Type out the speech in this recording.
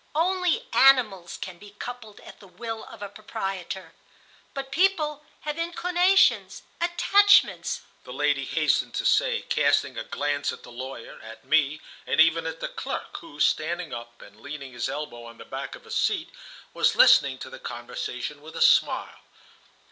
Only animals can be coupled at the will of a proprietor. But people have inclinations, attachments," the lady hastened to say, casting a glance at the lawyer, at me, and even at the clerk, who, standing up and leaning his elbow on the back of a seat, was listening to the conversation with a smile.